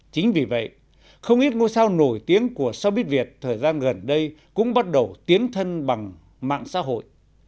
chính vì vậy không ít ngôi sao nổi tiếng của subit việt thời gian gần đây cũng bắt đầu tiến thân bằng mạng xã hội